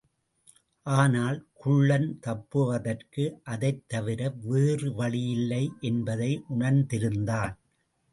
ஆனால், குள்ளன் தப்புவதற்கு அதைத் தவிர வேறு வழியில்லை என்பதை உணர்ந்திருந்தான்.